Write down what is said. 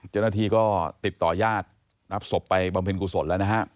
เจ้าหน้าที่ก็ติดต่อญาติรับศพไปบำเพ็ญกุศลแล้วนะฮะ